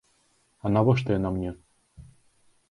А навошта яна мне?